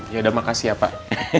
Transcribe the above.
ya udah makasih ya pak